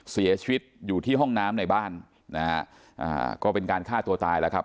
เสียชีวิตอยู่ที่ห้องน้ำในบ้านนะฮะอ่าก็เป็นการฆ่าตัวตายแล้วครับ